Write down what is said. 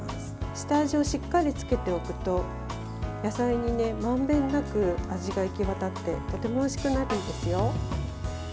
下味をしっかりつけておくと野菜にまんべんなく味が行き渡ってとてもおいしくなるんですよ。